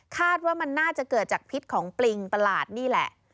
คาดว่ามันน่าจะเกิดจากพิษของปริงประหลาดนี่แหละ